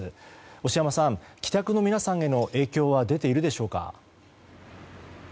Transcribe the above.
押山さん、帰宅の皆さんへの影響出ているでしょうか？